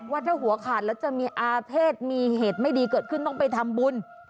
ว่าถ้าหัวขาดแล้วจะมีอาเภษมีเหตุไม่ดีเกิดขึ้นต้องไปทำบุญ